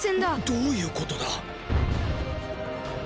どういうことだ？